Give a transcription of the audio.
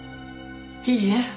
いいえ。